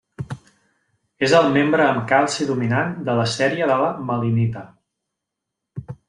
És el membre amb calci dominant de la sèrie de la gmelinita.